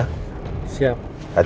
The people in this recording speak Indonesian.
hati hati jangan ngebut